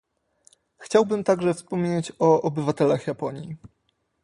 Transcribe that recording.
Chciałbym także wspomnieć o obywatelach Japonii